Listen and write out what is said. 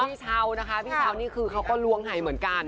พี่เช้านะคะพี่เช้านี่คือเขาก็ล้วงหายเหมือนกัน